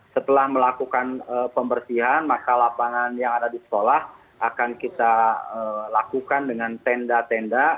setelah melakukan pembersihan maka lapangan yang ada di sekolah akan kita lakukan dengan tenda tenda